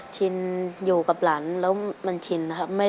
ชินอยู่กับหลานแล้วมันชินนะครับ